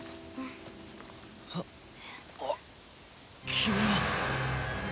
あっ君は！